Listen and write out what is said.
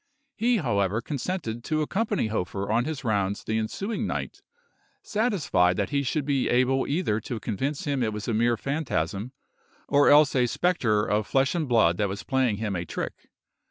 He, however, consented to accompany Hofer on his rounds the ensuing night, satisfied that he should be able either to convince him it was a mere phantasm, or else a spectre of flesh and blood that was playing him a trick.